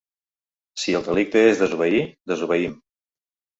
Si el delicte és desobeir, desobeïm.